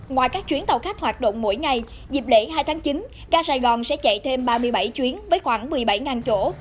ngoài các chuyến tàu khách hoạt động mỗi ngày dịp lễ hai tháng chín ga sài gòn sẽ chạy thêm ba mươi bảy chuyến với khoảng một mươi bảy chỗ